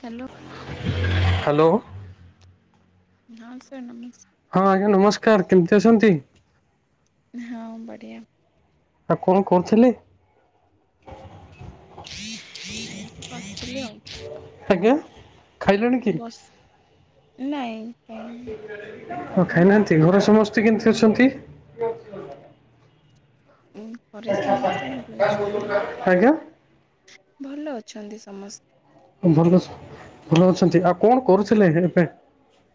Hello. Hello. ହଁ sir ନମସ୍ ହଁ ଆଜ୍ଞା ନମସ୍କାର। କେମିତି ଅଛନ୍ତି? ହଁ ବଢ଼ିଆ। ଆଉ କଣ କରୁଥିଲେ? ଏଇଠି ବସିଥିଲି ଆଉ ଆଜ୍ଞା। ଖାଇଲେଣି କି ବସ୍ ନାଇଁ। କାଇଁ ଆଉ ଆପଣ ଖାଇନାହାନ୍ତି। ଘରେ ସମସ୍ତେ କେମିତି ଅଛନ୍ତି? ଉ ଘରେ ସମସ୍ତେ ଭଲ ଅଛନ୍ତି। ଆଜ୍ଞା ଭଲ ଅଛନ୍ତି ସମସ୍ତେ। ଭଲ ଭଲ ଅଛନ୍ତି। ଆଉ କଣ କରୁଥିଲେ ଏବେ?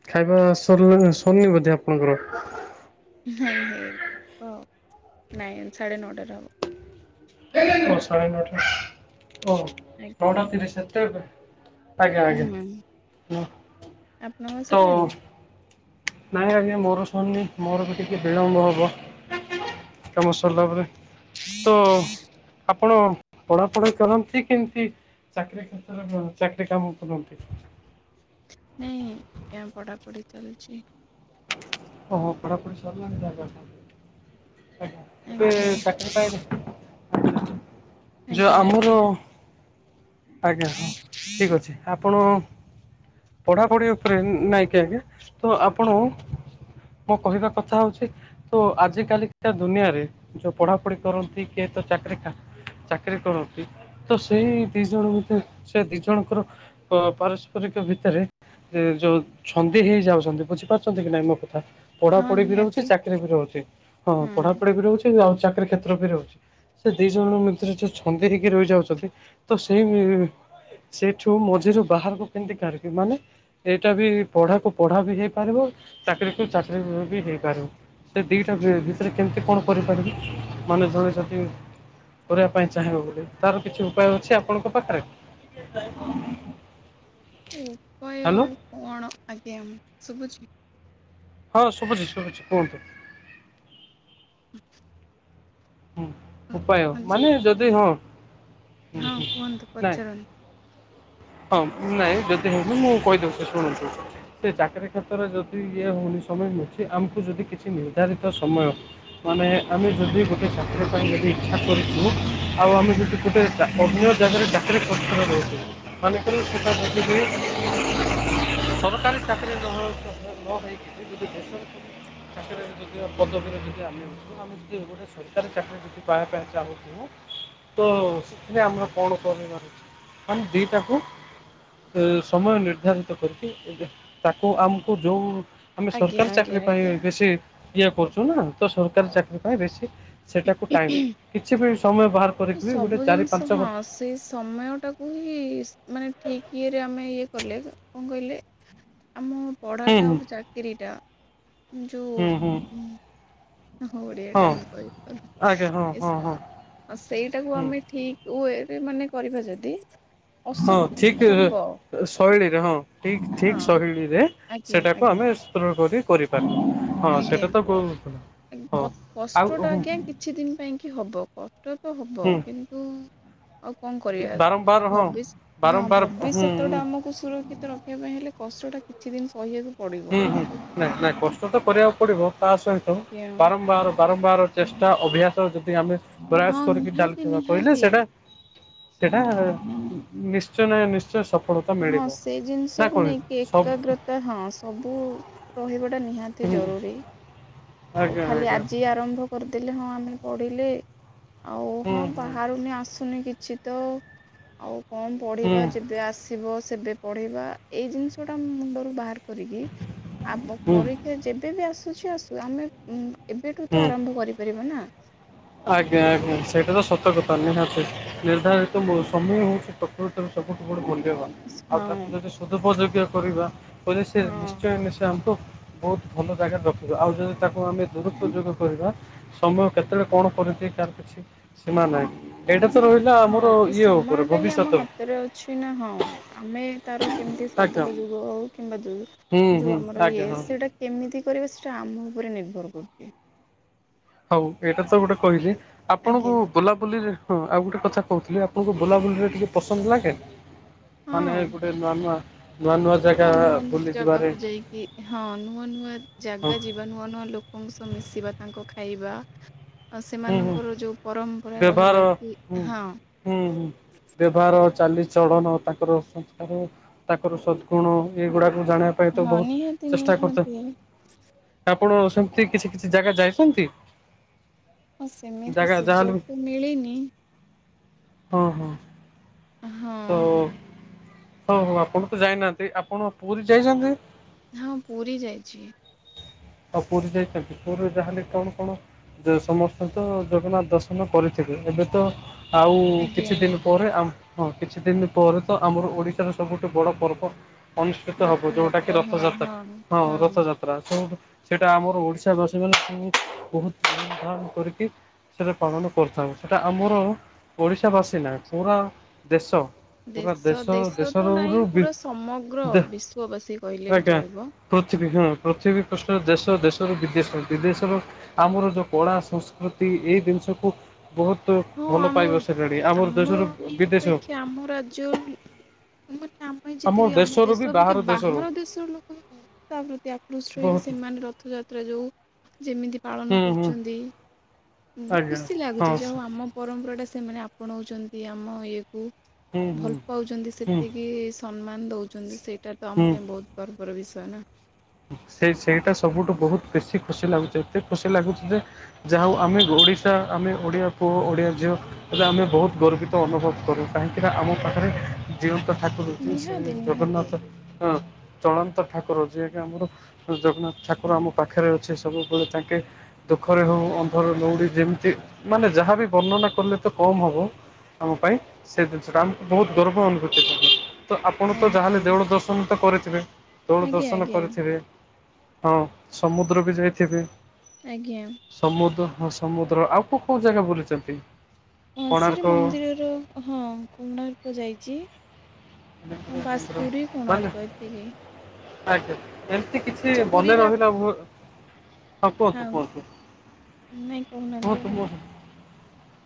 ଖାଇବା ସରଲା ସରନି ବୋଧେ ଆପଣଙ୍କର। ନାଇଁ ହେ ନାଇଁ ସା଼େଢେ ନଅଟାରେ ହବ? ଓ ସାଢ଼େ ନଅଟା ଓ ଆଜ୍ଞା ନଟା ତିରିସ ସେତବେ। ଆଜ୍ଞା ହୁଁ ଆଜ୍ଞା ହଁ ଆପଣଙ୍କର ତ ସରିଲାଣି ନାଇଁ ଆଜ୍ଞା ମୋର ସରିନି ମୋର ବି ଟିକେ ବିଳମ୍ବ ହବ କାମ ସରିଲା ପରେ। ତ ଆ ଆପଣ ପଢାପଢି କରନ୍ତି କେମିତି ଚାକିରୀ କ୍ଷେତ୍ରରେ ଚାକିରି କାମ କରନ୍ତି? ନାଇଁ ପଢା ପଢି ଚାଲିଛି। ଓହୋ ପଢ଼ାପଢ଼ି ସରିଲାଣି ତାହାଲେ ଏବେ ଆଜ୍ଞା ଚାକିରି ପାଇନି। ଯୋଉ ଆଜ୍ଞା ଆମର ଆଜ୍ଞା ଆଜ୍ଞା ହଁ ଠିକ ଅଛି ଆପଣ। ପଢାପଢି ଉପରେ ନାଇଁ କି ଆଜ୍ଞା ତ ଆପଣ? ମୋ କହିବା କଥା ହଉଛି। ତ ଆଜି କାଲିକା ଦୁନିଆରେ ଯୋଉ ପଢାପଢି କରନ୍ତି କିଏ ତ ଚାକିର ଚାକିରୀ କରନ୍ତି ତ ସେଇ ଦି ଜଣ ଭିତରେ ସେ ଦି ଜଣଙ୍କର ପାରସ୍ପରିକ ଭିତରେ ଯୋଉ ଛନ୍ଦି ହେଇଯାଉଛନ୍ତି ବୁଝିପାରୁଛନ୍ତି କି ନାଇଁ ମୋ କ ହଁ ପଢାପଢି ବି ରହୁଛି ନିହାତି ଚାକିର ବି ରହୁଛି ହଁ ପଢାପଢି ବି ରହୁଛି। ଚାକିରି କ୍ଷେତ୍ରରେ ବି ରହୁଛି। ସେ ଦିଇ ଜଣଙ୍କ ଭିତରେ ଯୋଉ ଛନ୍ଦି ହେଇକି ରହିଯାଉଛନ୍ତି ତ ସେଇ ସେଠୁ ମଝିରୁ ବାହାରକୁ କେମିତି କାହାରିବି ମାନେ? ଏଇଟା ବି ପଢାକୁ ପଢା ବି ହେଇପାରିବ ଚାକିରୀ କୁ ଚାକିରି ବି ହେଇପାରିବ। ସେ ଦୁଇଟା ଭିତରେ କେମିତି କଣ କରିପାରିବି ମାନେ ଜଣେ ଯଦି କରିବା ପାଇଁ ଚାହିଁବ ବୋଲି ତାର କିଛି ଉପାୟ ଅଛି ଆପଣଙ୍କ ପାଖରେ? [inaudible] ଉପାୟ ହ୍ୟାଲୋ ଆଉ କଣ ଆଜ୍ଞା ମୁଁ ଶୁଭୁଛି। ହଁ ଶୁଭୁଛି ଶୁଭୁଛି କୁହନ୍ତୁ? [inaudible] ହୁଁ ଉପାୟ ହଁ ଜି ମାନେ ଯଦି ହଁ ହଁ ହଁ ହୁଁ କୁହନ୍ତୁ ନାଇଁ। ପଚାରନ୍ତୁ ହଁ ନାଇଁ ଯଦି ହେଇନି ମୁଁ କହିଦେଉଛି ଶୁଣନ୍ତୁ? ସେ ଚାକିରୀ କ୍ଷେତ୍ରରେ ଯଦି ଇଏ ହଉନି ସମୟ ମିଳଛି ଆମକୁ ଯଦି କିଛି ନିର୍ଦ୍ଧାରିତ ସମୟ ମାନେ ଆମେ ଯଦି ଗୋଟେ ଛାତ୍ର ପାଇଁ ଯଦି ଇଚ୍ଛା କରିଛୁ ଆଉ ଆମେ ଯଦି ଗୋଟେ ଅନ୍ୟ ଜାଗାରେ [inaudible] ସରକାରୀ ଚାକରିରେ ନ ହୋଇ ଯଦି ବେସରକାରୀ [inaudible] ସରକାରୀ ଚାକିରି ଯଦି [unintelligible] ଚାଲଥିବଁ ତ ସେଥିରେ ଆମର କଣ କରିବାର [unintelligible] ମାନେ ଦିଟାକୁ। ସମୟ ନିର୍ଦ୍ଧାରିତ କରିକି ତାକୁ ଆମକୁ ଯୋଉ ଆମେ ଆଜ୍ଞା ସରକାରୀ ଚାକିରି ଆଜ୍ଞା ପାଇଁ ଆଜ୍ଞା ଏମିତି ଇଏ କରୁଛୁ ନା ତ ସରକାରୀ ଚାକିରୀ ପାଇଁ ବେଶୀ ସେଟାକୁ ଟାଇମ କିଛି ବି ସମୟ ବାହାର କରିକି ବି ଗୋଟେ ସବୁ ଚାରି ଜିନିଷ ପାଞ୍ଚ ଘଣ୍ଟା ହୁଁ ହଁ ସେଇ ସମୟଟାକୁ ହିଁ ମାନେ ଠିକ୍ ଇଏରେ ଆମେ ଇଏ କଲେ କଣ କହିଲେ ଆମ ହୁଁ ପଢାଟା ଆଉ ଚାକିରୀ ଟା ଯୋଉ ହୁଁ ହୁଁ ହ ଓଡିଆ ଟା ହଁ ମୁଁ କହିପାରୁ ଆଜ୍ଞା ହଁ ହଁ ହଁ ଆଉ ସେଇଟାକୁ ହୁଁ ଆମେ ଠିକ୍ ୱେରେ ମାନେ କରିବା ଯଦି ହଁ ଅସୁବିଧା ଠିକ୍ ତ ହବ। ଶୈଳୀରେ ହଁ ଠିକ ହଁ ଠିକ ଶୈଳୀରେ ଆଜ୍ଞା ସେଟାକୁ ଆଜ୍ଞା ଆମେ ସୂତ୍ର କରି କରିପାରନେ। ହଁ ସେଟା ତ କୋଉ କଷ୍ଟ ଟା ଆଜ୍ଞା କିଛି ଦିନ ପାଇଁ କି ହବ କଷ୍ଟ ତ ହବ, ହୁଁ କିନ୍ ନ୍ତୁ ଆଉ କଣ କରିବା ବାରମ୍ବାର ହଁ ଭବିଷ ହଁ ବାରମ୍ବାର ହୁଁ ଭବିଷ୍ୟତଟା ଆମକୁ ସୁର କ୍ଷିତ ରଖିବା ପାଇଁ ହେଲେ କଷ୍ଟଟା କିଛି ଦିନ ସହିୟାକୁ ପଡିବ। ହୁଁ ନାଇଁ ନାଇଁ କଷ୍ଟ ତ କରିବାକୁ ପଡିବ, ତା ସହିତ ଆଜ୍ଞା ବାରମ୍ବାର ବାରମ୍ବାର ଚେଷ୍ଟା ଅଭ୍ୟାସ ଯଦି ଆମେ ହଁ ପ୍ରୟାସ କରିକି ନିହାତି ଚାଲିଥିବା କହିଲେ ନିହାତି। ସେଟା ସେଇଟା ନିଶ୍ଚୟ ନା ନିଶ୍ଚୟ ସଫଳ ହଁ ସେ ଜିନିଷକୁ ନେଇକି ଏକାଗ୍ରତା। ତ ହଁ ସବୁ ରହିବାଟା ନିହାତି ଜରୁରୀ। ଆଉ ଆଜ୍ଞା ଖାଲି ଆଜ୍ଞା ଆଜି ଆରମ୍ଭ କରିଦେଲେ ହଁ ଆମେ ପଢିଲେ ଆଉ ହୁଁ ହଁ ହୁଁ ବାହାରୁନି ଆସୁନି କିଛି ତ ଆଉ କଣ ହୁଁ ପଢିବା ଯେବେ ଆସି ଯିବ ସେବେ ପଢିବା, ଏଇ ଜିନିଷଟା ମୁଣ୍ଡରୁ ବାହାର କରିକି ଆଗ ହୁଁ ପ ହେ ଯେବେବି ଆସୁଚି ଆସୁ ଆମେ ଏବେଠୁ ତ ହୁଁ। ଆରମ୍ଭ କରିପାରିବା ନା। ଆଜ୍ଞା ଆଜ୍ଞା ସେଇଟା ତ ସତ କଥା ନିହାତି। ନିର୍ଦ୍ଧାରିତ ମୋ ସମୟ ହଉଛି ପ୍ରକୃତ ସବୁଠୁ [unintelligible] ମୂଲ୍ୟବାନ [unintelligible] ଆଉ ହଁ ତାକୁ ଯଦି ସଦୁପଯୋଗୀ କରିବା କହିଲେ ସେ ହଁ ନିଶ୍ଚୟ ସେ ଆମକୁ ବହୁତ ଭଲ ଜାଗାରେ ରଖିବା, ଆଉ ଯଦି ତାକୁ ଆମେ ଦୁରୁପଯୋଗ କରିବା ସମୟ କେତେବେଳେ କଣ କରିଦିଏ କାହାର କିଛି ସୀମା ନାହିଁ। ଏଇଟା ତ ରହିଲା ହଁ ଆମର ଏଇ ଇଏ ଉପରେ ସମୟ ଟା ହିଁ ଆମ ଭବିଷ୍ୟତ ହାତରେ ଅଛି ନା ହଁ ଆମେ ତାର କେମିତି ଆଜ୍ଞା ସଦୁପଯୋଗ ଆଉ କିମ୍ବା ହୁଁ ଯୋଉ ହୁଁ ଆମର ଇଏ ଆଜ୍ଞା ହଁ ସେଇଟା କେମିତି କରିବେ ସେଇଟା ଆମ ଉପରେ ନିର୍ଭର କରୁଚି। ହଉ ଏଇଟା ତ ଗୋଟେ କହିଲି ଆଜ୍ଞା ଆପଣଙ୍କୁ ବୁଲାବୁଲିରେ ହଁ ଆଉ ଗୋଟେ କଥା କହୁଥିଲି ଆପଣଙ୍କୁ ବୁଲାବୁଲିରେ ଟିକେ ପସନ୍ଦ ଲଗେ ନା? ମାନେ ହଁ। ଗୋଟେ ନୂଆ ନୂଆ ନୂଆ ନୂଆ ଜାଗା ହଁ ନୂଆ ନୂଆ ବୁଲିଯିବେ। ଜାଗାକୁ ଯାଇକି ହଁ ନୂଆ ନୂଆ ଜାଗା ଯିବା ନୂଆ ନୂଆ ଲୋକଙ୍କ ସହ ମିଶିବା ତାଙ୍କ ଖାଇବା ହୁଁ ହୁଁ ସେମାନଙ୍କର ଯୋଉ ପରମ୍ପରା ବ୍ୟବହାର ରହିଲା କି ହୁଁ ହଁ ହୁଁ ବ୍ୟବହାର ଚାଲି ଚଳନ। ତାଙ୍କର ସଂସ୍କାର ତାଙ୍କର ସଦ୍ ଗୁଣ ଏଗୁଡ଼ାକୁ ଜାଣି ପାଇଁ ତ ହଁ ବହୁତ ନିହାତି ଚେଷ୍ଟା କରୁଥାଉ ନିହାତି। ଆପଣ ସେମିତି କିଛି କିଛି ଜାଗା ଯାଇଛନ୍ତି? ହଁ ସେମିତି ଜାଗା ଯାହାହେଲେ ସୁଯୋଗ ବି ତ ମିଳିନି। ହଁ ହଁ ହଁ ତ ହଉ ହଉ ଆପଣ ତ ଯାଇନାହାନ୍ତି, ଆପଣ ପୁରୀ ଯାଇଥିଲେ? ହଁ ପୁରୀ ଯାଇଛି। ଆଉ ପୁରୀ ଯାଇଛନ୍ତି ପୁରୀରେ ଯାହେଲେ କଣ କଣ? ଯେ ସମସ୍ତେ ତ ଜଗନ୍ନାଥ ଦର୍ଶନ କରିଥିବେ ଏବେ ତ ଆଉ ଆଜ୍ଞା କିଛି ଦିନ ପରେ ଆମ ହଁ କିଛି ଦିନ ପରେ ତ ଆମର ଓଡ଼ିଶାରେ ସବୁଠୁ ବଡ଼ ପର୍ବ ଅନୁଷ୍ଠିତ ହବ ଯୋଉଟା କିି ରଥଯାତ୍ରା ହଁ ରଥଯାତ୍ରା ସବୁ ସେଇଟା ଆମର ଓଡ଼ିଶାବାସୀ ମାନଙ୍କୁ ବହୁତ ଧା କରିକି ସେଟା ପାଳନ କରିଥାଉ ସେଟା ଆମର ଓଡ଼ିଶା ବାସୀ ନାହିଁ ପୁରା ଦେଶ ପୁରା ଦେଶ ଦେଶ ତ ଦେଶରୁ ନାହିଁ ବି ପୁରା ସମଗ୍ର ଦେ ବିଶ୍ଵବାସୀ କହିଲେ ବି ଆଜ୍ଞା ଚଳିବ। ପୃଥିବୀ ହଁ ପୃଥିବୀ ପୃ ଷ୍ଠ ଦେଶ ଦେଶରୁ ବିଦେଶ ବିଦେଶର ଆମର ଯୋଉ କଳା ସଂସ୍କୃତି ଏଇ ଜିନିଷକୁ ବହୁତ ହଁ ଭଲ ଆମ ପାଇବସି ଲେଣି ଆମର ଦେଶରୁ ବିଦେଶ ଆମର ଯୋଉ ମାନେ ଆମେ ଯେତିକି ଆମ ଦେଶରୁ ବି ଦେଶ ଅପେକ୍ଷା ଦେଶରୁ ବାହାର ଦେଶର ଲୋକ ତା ପ୍ରତି ଆକୃଷ୍ଟ ହେଇକି ବହୁତ ସେମାନେ ରଥଯାତ୍ରା ଯୋଉ ଯେମିତି ପାଳନ ହୁଁ ହୁଁ କରୁଛନ୍ତି ଆଜ୍ଞା ଖୁସି ହଁ ଲାଗୁଛି ଯା ସ ହଉ ଆ ଆମ ପରମ୍ପରା ଟା ସେମାନେ ଆପଣାଉଛନ୍ତି ଆମ ଇଏକୁ। ହୁଁ ଭଲ ହୁଁ ପାଉଛନ୍ତି ହୁଁ ସେତିକି ସମ୍ମାନ ଦଉଛନ୍ତି ସେଇଟା ତ ଆମ ହୁଁ ପାଇଁ ବହୁତ ଗର୍ବର ବିଷୟ ନା। ସେ ସେଇଟା ସବୁଠୁ ବହୁତ ବେଶୀ ଖୁସି ଲାଗୁଛି ଏତେ ଖୁସି ଲାଗୁଛି ଯେ ଯାହା ହଉ ଆମେ ଓଡ଼ିଶା ଆମେ ଓଡ଼ିଆ ପୁଅ ଓଡ଼ିଆ ଝିଅ ସେଟା ଆମେ ବହୁତ ଗର୍ବିତ ଅନୁଭବ କରୁ କାହିଁକି ନା ଆମ ପାଖରେ ଜିଅନ୍ତା ଠାକୁର ହେଉଚି ସେ ନିହାତି ନିହାତି। ଜଗନ୍ନାଥ ହଁ ଚଳନ୍ତି ଠାକୁର ଯିଏ ଯେ ଆମର ଜଗନ୍ନାଥ ଠାକୁର ଆମ ପାଖରେ ଅଛି ସବୁବେଳେ ତାଙ୍କେ ଦୁଃଖରେ ହୋଉ ଅନ୍ଧରେ ଲଉଡ଼ି ଯେମିତି ମାନେ ଯାହା ବି ବର୍ଣ୍ଣନା କଲେ ତ କମ୍ ହେବ। ଆମ ପାଇଁ ସେ ଜିନିଷଟା ଆମକୁ ବହୁତ ଗର୍ବ ଅନୁଭୂତି [inaudible] ତ ଆପଣ ତ ଯାହା ଆଜ୍ଞା ହେଲେ ଦେଉଳ ଦର୍ଶନ ତ କରିଥିବେ ଦେଉଳ ଆଜ୍ଞା ଦର୍ଶନ ଆଜ୍ଞା ଦେ ହଁ ସମୁଦ୍ର ବି ଯାଇଥିବେ। ଆଜ୍ଞା। ସମୁଦ୍ର ହଁ ସମୁଦ୍ର ଆଉ କୋଉ କୋଉ ଜାଗା ବୁଲିଚନ୍ତି। ହଁ ଶ୍ରିରି ମନ୍ଦିରର ହଁ କୁଣ୍ଡାର୍କ ଯାଇଚି। ହଁ ବାସ୍ ପୁରୀ ମାନେ କୋଣାର୍କ ଏତିକିି। ଆଜ୍ଞା ଏମିତି କିଛି ମନେ ପୁରୀର ରହିଲା ଭ ହଁ କୁହନ୍ତୁ କୁହନ୍ତୁ ନାଇଁ କହୁନାହାନ୍ତି କୁହନ୍ତୁ ଆପଣ। କୁହନ୍ତୁ।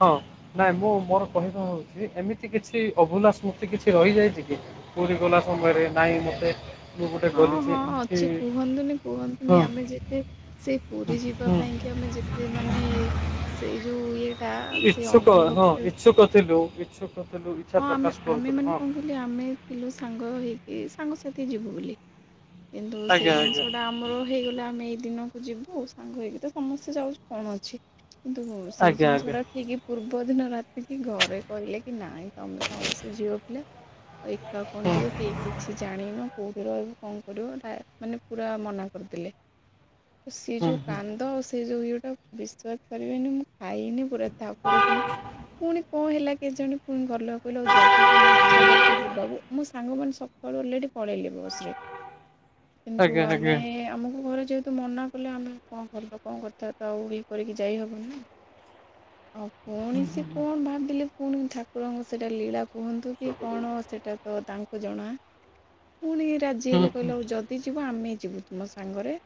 ହଁ ନାଇଁ ମୁଁ ମୋର କହିବା ହେଉଚି ଏମିତି କିଛି ଅଭୁଲା ସ୍ମୃତି କିଛି ରହିଯାଇଚି ପୁରୀ ଗଲା ସମୟରେ ନାହିଁ ମୋତେ ହଁ ହଁ ଅଛି କୁହନ୍ତୁନି ହଁ କୁହନ୍ତୁନି ଆମେ ଯେବେ ସେ ପୁରୀ ଯିବୁ ଯିବା ପାଇଁ କି ଆମେ ଯେତେ ମାନେ ସେଇ ଯୋଉ ଇଏଟା [inaudible] ସେ ଇଛୁକ ହଁ ଅନୁଭବଟା ଇଛୁକ ଥିଲୁ ଇଛୁକ ଥିଲୁ। ଇଚ୍ଛା ହଁ ଆମେ ପ୍ରକାଶ ଆମେ କରୁଥିଲୁ ମାନେ ହଁ। କଣ କହିଲେ ଆମେ ଥିଲୁ ସାଙ୍ଗ ହେଇକି ସାଙ୍ଗସାଥି ଯିବୁ ବୋଲି। କିନ୍ତୁ ଆଜ୍ଞା ସେଇ ଆଜ୍ଞା ଜିନିଷ ଟା ଆ ଆମର ହେଇଗଲା ଆମେ ଏଇ ଦିନକୁ ଯିବୁ ସାଙ୍ଗ ହେଇକି ତ ସମସ୍ତେ ଯାଉଚୁ କଣ ଅଛି। କିନ୍ତୁ ସେଇ ଆଜ୍ଞା ଆଜ୍ଞା ଜିନିଷ ଟା ଠିକ ପୂର୍ବ ଦିନ ରାତିକି ଘରେ କହିଲେ କି ନାଇଁ ତମେ ସମସ୍ତେ ଝିଅ ପିଲା ଆଉ ଏକା କଣ ହୁଁ ଯିବ କି? କିଛି ଜାଣିନ କୋଉଠି ରହିବ କଣ କରିବ ଆ ମାନେ ପୁରା ମନା କରିଦେଲେ। ସେ ହୁଁ ଯୋଉ ହୁଁ। କାନ୍ଦ ଆଉ ସେ ଯୋଉ ଇଏଟା ବିଶ୍ଵାସ କରିବେନି ମୁଁ ଖାଇନି ପୁରା ତା ପରଦିନ ପୁଣି କଣ ହେଲା କେଜାଣି ଘର୍ ଲୋକ କହିଲ ଆଉ ଯଦି ତମେ ଇଛା କରୁଛ ଯିବାକୁ ମୋ ସାଙ୍ଗମାନେ ସକାଳୁ ଅଲରେଡି ପଳେଇଲେ ବସ ରେ। କିନ୍ତୁ ଆଜ୍ଞା ଆମେ ଆଜ୍ଞା ଆମକୁ ଘରେ ଯେ ତୁ ମନା କଲେ ଆମେ କଣ ଭଲ କଣ କଥା ବାର୍ତା ଆଉ ଇ କରିକି ଯାଇହବନିନା ଆଉ। ପୁଣି ସେ କଣ ଭାବିଲେ ପୁଣି ଠାକୁରଙ୍କୁ ସେଇଟା ଲୀଳା। କୁହନ୍ତୁ କି କଣ ସେଟା ତ ତାଙ୍କୁ ଜଣା ପୁଣି ରାଜି ହୁଁ ହେଲେ ହୁଁ କହିଲେ ହଉ ଯ ଦି ଯିବ ଆମେ ଯିବୁ ତୁମ ସାଙ୍ଗରେ।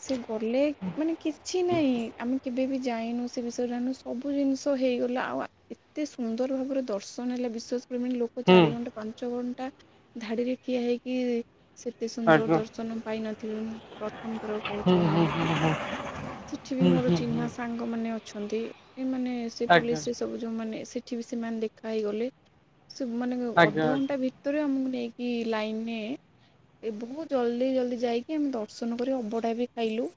ସେ ଗଲେ ମାନେ କିଛି ନାହିଁ ଆମେ କେବେ ବି ଯାଇନୁ ସେ ବିଷୟରେ ଜାଣିନୁ ସବୁ ଜିନିଷ ହେଇଗଲା ଆଉ ଏତେ ସୁନ୍ଦର ଭାବରେ ଦର୍ଶନ ହେଲା ବିଶେଷ କରି ମାନେ ଲୋକ ହୁଁ ଚାରି ଘଣ୍ଟା ପାଞ୍ଚ ଘଣ୍ଟା ଧାଡି଼ରେ ଠିଆ ହେଇକି ସେତେ ସୁନ୍ଦର ଆଜ୍ଞା ଦର୍ଶନ। ପାଇନଥିବେ ମୁଁ ପ୍ରଥମଥର ହୁଁ କହୁଛି ମଁ ହୁଁ ଅନୁଭୂତି ହୁଁ ହୁଁ ସେଠି ବି ହୁଁ ମୋର ହୁଁ ଚିହ୍ନା ହୁଁ ସାଙ୍ଗ ଙ୍ଗ ମାନେ ଅଛନ୍ତି ସେ ମାନେ ସେ ଆଜ୍ଞା ପୋଲିସ ରେ ସବୁ ଯୋଉ ମାନେ ସେ ଠି ବି ସେମାନେ ଦେଖା ହେଇଗଲେ ସେ ମାନେ ଆଜ୍ଞା ଅଧଘଣ୍ଟା ଭିତ ଭିତରେ ଆମକୁ ନେଇକି ଲାଇନରେ। ଏ ବହୁତ ଜଲ୍ଦି ଜଲଦି ଯାଇକି ଆମେ ଦର୍ଶନ କରି ଅବଢ଼ା ବି ଖାଇଲୁ।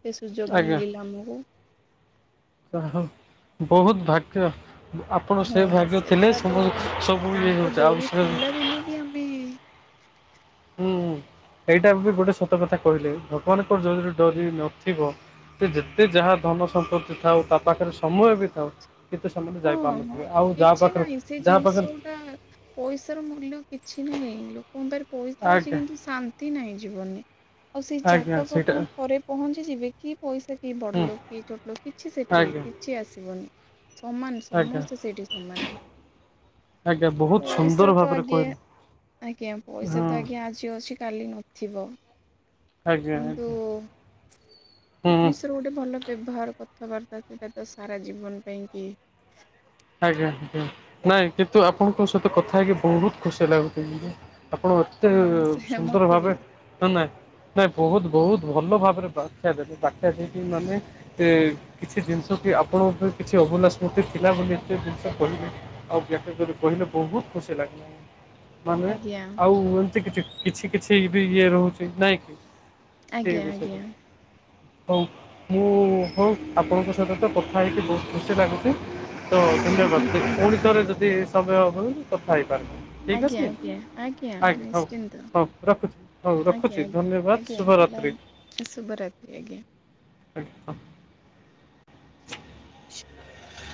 ସେ ସୁଯୋଗ ମିଳିଲା ଆମକୁ। ଯା ହଉ ବହୁତ ଭାଗ୍ୟ। ଆପଣ ସେ ହଁ ଭାଗ୍ୟ ଥିଲେ ସେଇଟା ତ ସବୁ ସବୁ ଇଏ ହେଉଛେ ଆଉ ସେ ଏଇ ମ୍ବି। ଏଇଟା ବି ଗୋଟେ ସତ କଥା କହିଲେ ଭଗବାନଙ୍କର ଯଦି ଡୋରି ନଥିବ। ସେ ଯେତେ ଯାହା ଧନ ସମ୍ପତ୍ତି ଥାଉ ତା ପାଖରେ ସମୟ ବି ଥାଉ। କେତେ ସମୟରେ ହଁ ହଁ ଯାଇପାରୁନଥିବେ ଆଉ ଯାହା ପାଖରେ ଯାହା ପାଖରେ ପଇସା ର ମୂଲ୍ୟ କିଛି ନାହିଁ ଲୋକଙ୍କ ପାରେ ପଇସା ଅଛି ଆଜ୍ଞା କିନ୍ତୁ ଶାନ୍ତି ନାହିଁ ଜୀବନରେ। ଆଉ ସେଇ ଆଜ୍ଞା ଜାଗାକୁ ସେଇଟା ଆପଣ ଥରେ ପହଞ୍ଚିଯିବେ କି ପଇସା କିଏ ହୁଁ ବଡ଼ ଲୋକ୍ କିଏ ଛୋଟ ଲୋକ୍ କିଛି ସେଠି ଆଜ୍ଞା କି ଛି ଆସିବନି। ସମାନ ଆଜ୍ଞା ସମସ୍ତେ ସେଇଠି ସମାନ। ଆଜ୍ଞା ବହୁତ ସୁନ୍ଦର ପଇସା ତ ଭାବରେ ଆଜ୍ଞା କହିଲେ ଆଜ୍ଞା ପଇସା ହଁ ତ ଆଜ୍ଞା ଆ ଜି ଅଛି କାଲି ନଥିବ। ଆଜ୍ଞା କିନ୍ତୁ ଆଜ୍ଞା ହୁଁ ମଣିଷର ଗୋଟେ ଭଲ ବ୍ୟବହାର କଥାବାର୍ତ୍ତା ସେଟା ତ ସାରା ଜୀବନ ପାଇଁକି। ଆଜ୍ଞା ଆଜ୍ଞା ନାଇଁ କିନ୍ତୁ ଆପଣଙ୍କ ସହିତ କଥା ହେଇକି ବହୁତ ଖୁସି ଲାଗୁ [unintelligible] ଆପଣ ଏତେ ସେ ସୁନ୍ଦର ମତେ ବି ଭାବେ ନା ନାହିଁ। ନାଇ ବହୁତ ବହୁତ ଭଲ ଭାବରେ ବାଖ୍ୟା ଦେଲେ ବାଖ୍ୟା ଦେଇକି ମାନେ। କିଛି ଜିନିଷ କି ଆପଣଙ୍କ ପାଇଁ କିଛି ଅଭୁଲା ସ୍ମୃତି ଥିଲା ବୋଲି। ସେ ଜିନିଷ କହିଲି ଆଉ ବ୍ୟାଖ୍ୟା କରି କହିଲେ ବହୁତ ଖୁସି ଲାଗିଲା। ମାନେ ଆଜ୍ଞା ଆଉ ଏମିତି କିଛି କିଛି କିଛି ବି ଇଏ ରହୁଛି ନାଇଁ କି। ସେଇ ଆଜ୍ଞା ଆଜ୍ଞା ବିଷୟରେ। ହଉ ମୁଁ ହଉ ଆପଣଙ୍କ ସହିତ ତ କଥା ହେଇକି ବହୁତ ଖୁସି ଲାଗୁଛି। ତ ଆଜ୍ଞା ଧନ୍ଯବାଦ ପୁଣି ମତେ ଥରେ ବି ଯଦି ସମୟ ହୁଏ କଥା ହେଇପାରି ଠିକ ଆଜ୍ଞା ଅଛି ଆଜ୍ଞା ଆଜ୍ଞା ହଉ ନିଶ୍ଚିନ୍ତ ହଉ ରଖୁଛି ହଉ ରଖୁଛି ଧନ୍ୟ [unintelligible] ଶୁଭରାତି। ଶୁଭ ରାତ୍ରି ଆଜ୍ଞା। [inaudible]